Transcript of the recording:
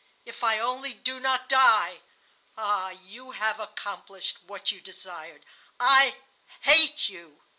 ... If I only do not die! Ah, you have accomplished what you desired! I hate you!